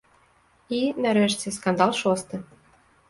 І, нарэшце, скандал шосты.